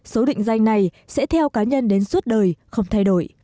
số định danh này sẽ theo cá nhân đến suốt đời không thay đổi